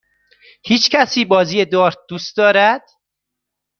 هیچکسی بازی دارت دوست دارد؟